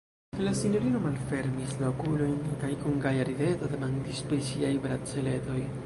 La sinjorino malfermis la okulojn kaj kun gaja rideto demandis pri siaj braceletoj.